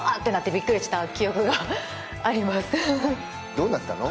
どうなったの？